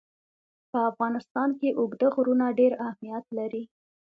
په افغانستان کې اوږده غرونه ډېر اهمیت لري.